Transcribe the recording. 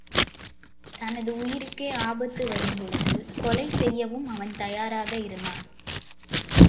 தனது உயிருக்கே ஆபத்து வரும்போது கொலை செய்யவும் அவன் தயாராக இருந்தான்.